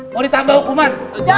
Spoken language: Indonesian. mau ditambah hukuman